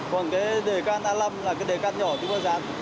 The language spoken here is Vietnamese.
còn cái đề can a năm là cái đề can nhỏ chúng tôi dán